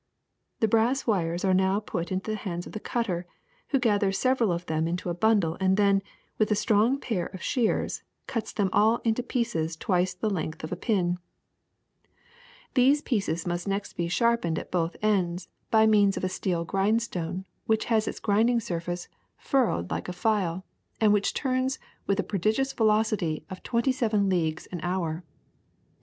^^The brass wires are now put into the hands of the cutter, who gathers several of them into a bundle and then, with a strong pair of shears, cuts them all into pieces twice the length of a pin. 10 THE SECRET OF EVERYDAY THINGS ^^ These pieces must next be sharpened at both ends by means of a steel grindstone which has its grind ing surface furrowed like a file, and which turns with the prodigious velocity of twenty seven leagues an hour.